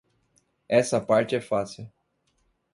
Essa parte é fácil.